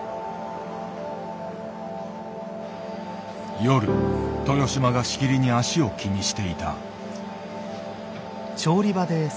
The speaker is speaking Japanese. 夜豊島がしきりに足を気にしていた。